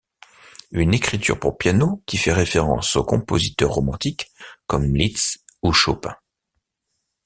Une écriture pour piano qui fait référence aux compositeurs romantiques comme Liszt ou Chopin.